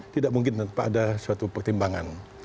tidak mungkin tanpa ada suatu pertimbangan